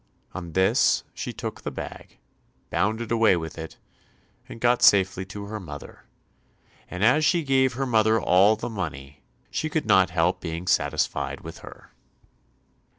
On this she took the bag, bounded away with it, and got safely to her mother, and as she gave her mother all the money, she could not help being satisfied with her.